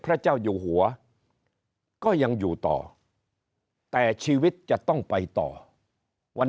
พระเจ้าอยู่หัวก็ยังอยู่ต่อแต่ชีวิตจะต้องไปต่อวัน